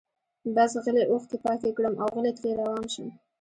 بس غلي اوښکي پاکي کړم اوغلی ترې روان شم